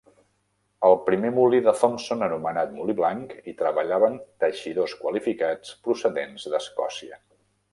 Al primer molí de Thompson, anomenat "Molí blanc", hi treballaven teixidors qualificats procedents d'Escòcia.